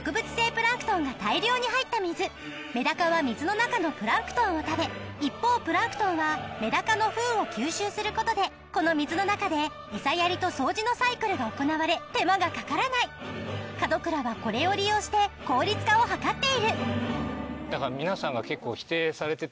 メダカは水の中のプランクトンを食べ一方プランクトンはメダカのフンを吸収することでこの水の中でエサやりと掃除のサイクルが行われ手間がかからない門倉はこれを利用して効率化を図っているだから。